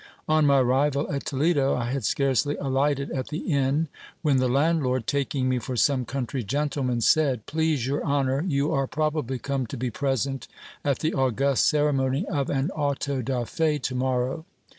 On my arrival at Toledo, I had scarcely alighted at the inn, when the landlord, taking me for some country gentleman, said : Please your honour, you are probably come to be present at the august cere mony of an Auto da Fe to morrow.